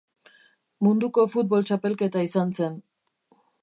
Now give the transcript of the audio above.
Munduko Futbol Txapelketa izan zen.